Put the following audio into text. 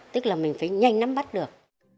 tức là mình phải nhanh nắm bắt được